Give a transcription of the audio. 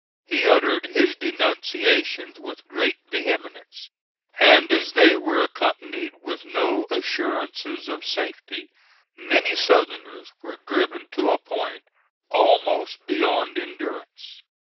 He uttered his denunciations with great vehemence, and as they were accompanied with no assurances of safety, many Southerners were driven to a point almost beyond endurance.